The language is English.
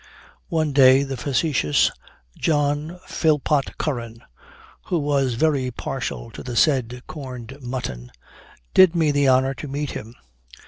"One day the facetious John Philpot Curran, who was very partial to the said corned mutton, did me the honor to meet him.